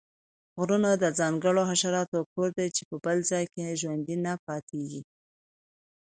غرونه د ځانګړو حشراتو کور دی چې په بل ځاې کې ژوندي نه پاتیږي